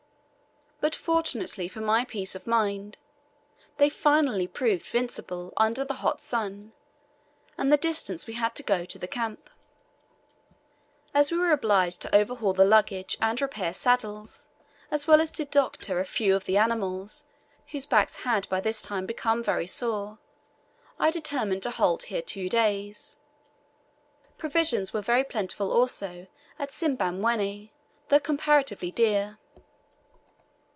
But fortunately for my peace of mind, they finally proved vincible under the hot sun, and the distance we had to go to camp. As we were obliged to overhaul the luggage, and repair saddles, as well as to doctor a few of the animals, whose backs had by this time become very sore, I determined to halt here two days. Provisions were very plentiful also at Simbamwenni, though comparatively dear.